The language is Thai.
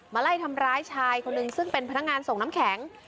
ไล่ทำร้ายชายคนหนึ่งซึ่งเป็นพนักงานส่งน้ำแข็ง